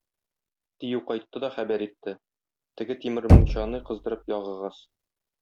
Дию кайтты да хәбәр итте: Теге тимер мунчаны кыздырып ягыгыз.